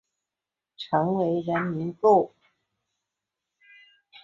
成为人们购物后休息吃饭的小吃一条街。